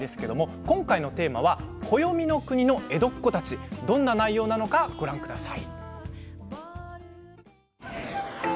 今回のテーマは暦の国の江戸っ子たちどんな内容なのかご覧ください。